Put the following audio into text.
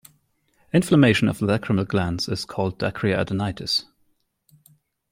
Inflammation of the lacrimal glands is called dacryoadenitis.